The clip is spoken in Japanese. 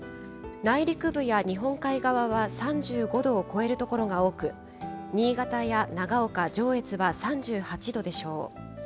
内陸部や日本海側は３５度を超える所が多く、新潟や長岡、上越は３８度でしょう。